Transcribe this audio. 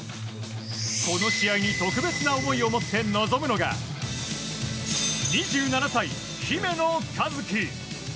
この試合に特別な思いを持って臨むのが２７歳、姫野和樹。